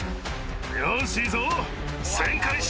よし、いいぞ。